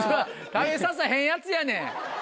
食べさせへんやつやねん！